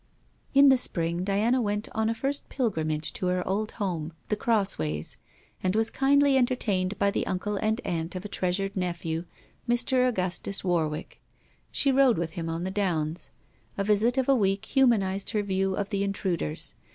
In the Spring Diana, went on a first pilgrimage to her old home, The Crossways, and was kindly entertained by the uncle and aunt of a treasured nephew, Mr. Augustus Warwick. She rode with him on the Downs. A visit of a week humanized her view of the intruders.